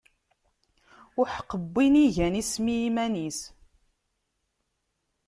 Uḥeqq win igan isem i yiman-is!